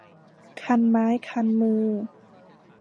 คันไม้คันมือ